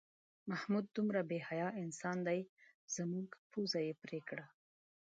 محمود دومره بې حیا انسان دی زموږ پوزه یې پرې کړه.